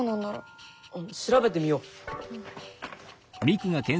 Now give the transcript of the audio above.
あっ調べてみよう。